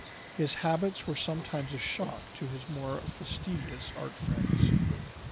His habits were sometimes a shock to his more fastidious art friends.